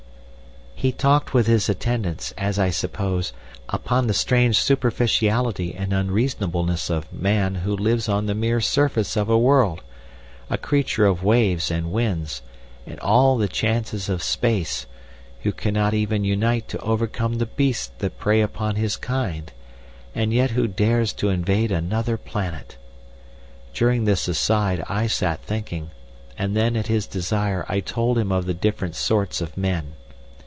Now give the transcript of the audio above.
] "He talked with his attendants, as I suppose, upon the strange superficiality and unreasonableness of (man) who lives on the mere surface of a world, a creature of waves and winds, and all the chances of space, who cannot even unite to overcome the beasts that prey upon his kind, and yet who dares to invade another planet. During this aside I sat thinking, and then at his desire I told him of the different sorts of men.